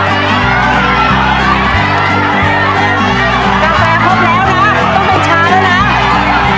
ไหวลูกไหวนิดนึงลูกเล่นมืออ่าไปช่วยน้องติ๊กไปช่วยน้องติ๊กเร็ว